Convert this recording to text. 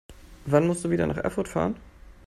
Wann musst du wieder nach Erfurt fahren?